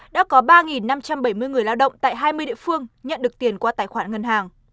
đã có ba năm trăm bảy mươi người lao động tại hai mươi địa phương nhận được tiền qua tài khoản ngân hàng